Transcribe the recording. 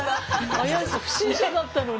怪しい不審者だったのに。